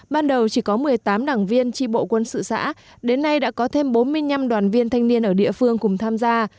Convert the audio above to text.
ban đầu chỉ có một mươi tám đảng viên tri bộ quân sự xã đến nay đã có thêm bốn mươi năm đoàn viên thanh niên ở địa phương cùng tham gia